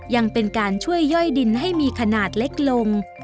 ยังเป็นการช่วยย่อยดินให้มีขนาดเล็กลง